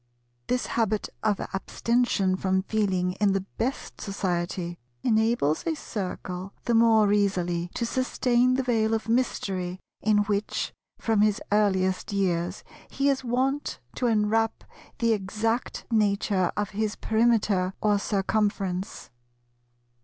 This habit of abstention from Feeling in the best society enables a Circle the more easily to sustain the veil of mystery in which, from his earliest years, he is wont to enwrap the exact nature of his Perimeter or Circumference.